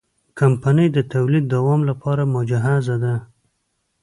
کمپنۍ د تولید دوام لپاره مجهزه ده.